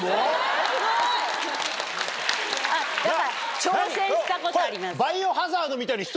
挑戦したことあります。